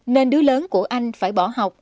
nên đứa lớn của anh phải bỏ học